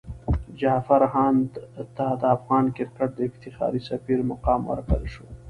جعفر هاند ته د افغان کرکټ د افتخاري سفیر مقام ورکړل شو.